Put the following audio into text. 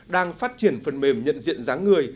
đang phát triển phần mềm nhận diện dáng người